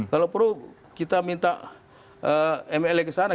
kalau perlu kita minta mla ke sana